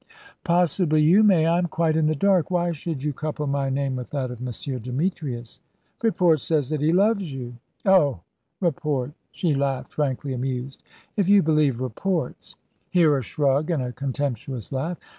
"Possibly you may. I am quite in the dark. Why should you couple my name with that of M. Demetrius?" "Report says that he loves you." "Oh report!" She laughed, frankly amused. "If you believe reports " Here a shrug and a contemptuous laugh.